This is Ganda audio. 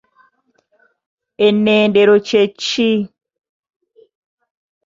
Ennendero kye ki?